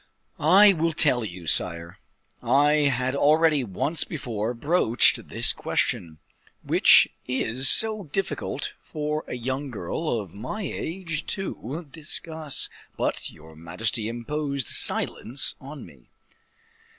"I will tell you, sire. I had already once before broached this question, which is so difficult for a young girl of my age to discuss, but your majesty imposed silence on me.